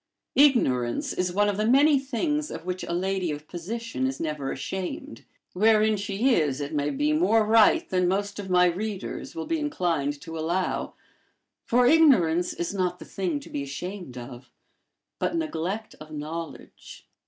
Ignorance is one of the many things of which a lady of position is never ashamed; wherein she is, it may be, more right than most of my readers will be inclined to allow; for ignorance is not the thing to be ashamed of, but neglect of knowledge.